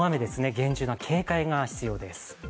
厳重な警戒が必要ですね。